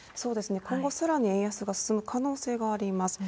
今後さらに円安が進む可能性があります。